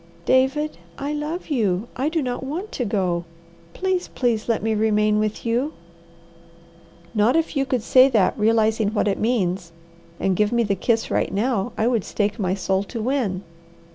"David, I love you. I do not want to go. Please, please let me remain with you." "Not if you could say that realizing what it means, and give me the kiss right now I would stake my soul to win!